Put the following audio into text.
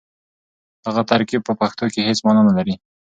دغه ترکيب په پښتو کې هېڅ مانا نه لري.